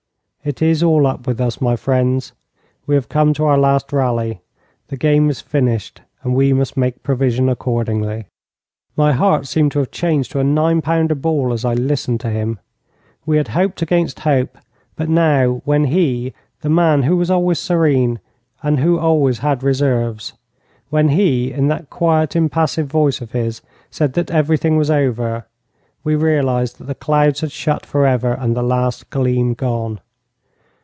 It is all up with us, my friends. We have come to our last rally. The game is finished, and we must make provision accordingly.' My heart seemed to have changed to a nine pounder ball as I listened to him. We had hoped against hope, but now when he, the man who was always serene and who always had reserves when he, in that quiet, impassive voice of his, said that everything was over, we realized that the clouds had shut for ever, and the last gleam gone.